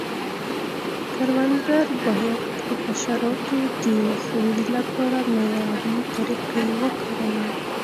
کروندګر باید د حشراتو د مخنیوي لپاره معیاري طریقې وکاروي.